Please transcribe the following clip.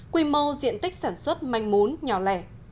quy mô diện tích sản xuất manh mún nhỏ lẻ